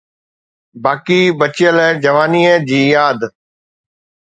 باقي بچيل جوانيءَ جي ياد.